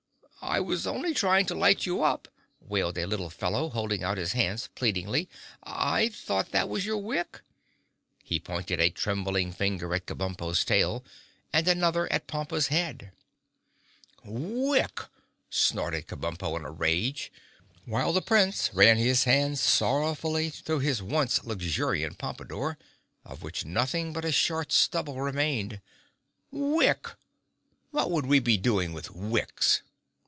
"I was only trying to light you up," wailed a little fellow, holding out his hands pleadingly. "I thought that was your wick." He pointed a trembling finger at Kabumpo's tail and another at Pompa's head. [Illustration: "I was only trying to light you up," wailed the Candleman] "Wick!" snorted Kabumpo in a rage—while the Prince ran his hand sorrowfully through his one luxuriant pompadour, of which nothing but a short stubble remained—"Wick! What would we be doing with wicks?"